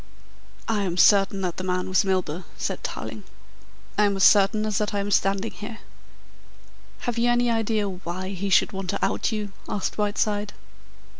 "I am certain that the man was Milburgh," said Tarling. "I am as certain as that I am standing here." "Have you any idea why he should want to out you?" asked Whiteside.